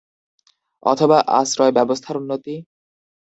অথবা আশ্রয় ব্যবস্থার উন্নতি?